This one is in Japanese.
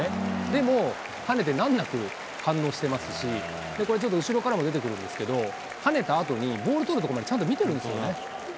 でも、はねて難なく反応してますし、これちょっと後ろから出てくるんですけど、はねたあとにボール捕るところまでちゃんと見てるんですよね。